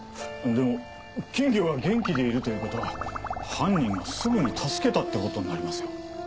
でも金魚が元気でいるという事は犯人がすぐに助けたっていう事になりますよ。